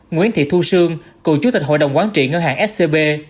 nguyễn thị thu sương cựu chủ tịch hội đồng quán trị ngân hàng scb